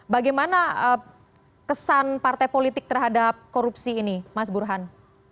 bagaimana kesan partai politik terhadap korupsi ini mas burhan